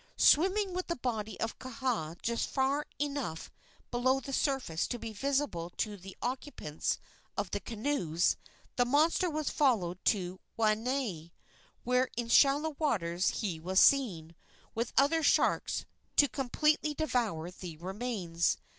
Swimming with the body of Kaha just far enough below the surface to be visible to the occupants of the canoes, the monster was followed to Waianae, where in shallow waters he was seen, with other sharks, to completely devour the remains.